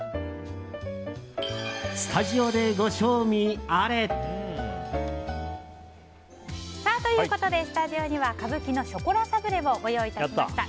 スタジオでご賞味あれ！ということで、スタジオには蕪木のショコラサブレをご用意いたしました。